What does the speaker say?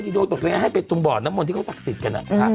แก่ดวงตรงนี้ให้ตรงบ่อนน้ำมนต์ที่เขาศักดิ์ศิลป์กันน่ะ